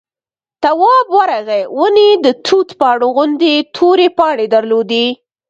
تواب ورغی ونې د توت پاڼو غوندې تورې پاڼې درلودې.